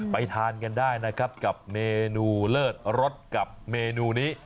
ทานกันได้นะครับกับเมนูเลิศรสกับเมนูนี้